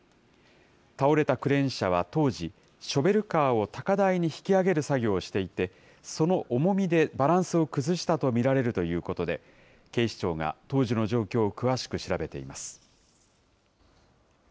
倒れたクレーン車は当時、ショベルカーを高台に引き上げる作業をしていて、その重みでバランスを崩したと見られるということで、警視庁が当時の状況を詳しく調べています。